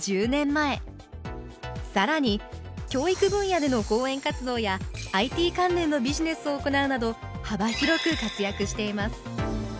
更に教育分野での講演活動やＩＴ関連のビジネスを行うなど幅広く活躍しています